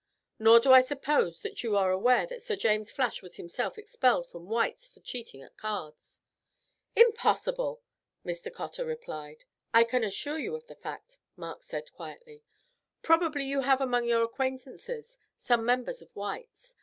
Nor do I suppose that you are aware that Sir James Flash was himself expelled from White's for cheating at cards." "Impossible!" Mr. Cotter replied. "I can assure you of the fact," Mark said quietly. "Probably you have among your acquaintances some members of White's.